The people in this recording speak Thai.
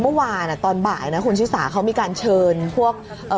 เมื่อวานอ่ะตอนบ่ายนะคุณชิสาเขามีการเชิญพวกเอ่อ